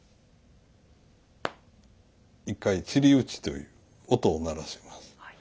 １回ちり打ちという音を鳴らします。